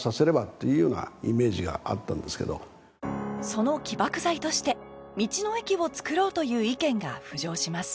その起爆剤として道の駅をつくろうという意見が浮上します。